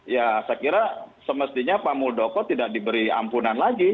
ya saya kira semestinya pak muldoko tidak diberi ampunan lagi